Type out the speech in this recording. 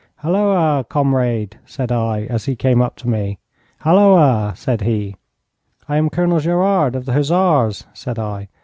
'Halloa, comrade!' said I, as he came up to me. 'Halloa!' said he. 'I am Colonel Gerard, of the Hussars,' said I.